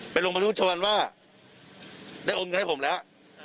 ไปลงมาดูชาวนว่าได้อมเงินให้ผมแล้ว